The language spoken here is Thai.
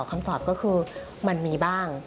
คำตอบก็คือมันมีบ้าง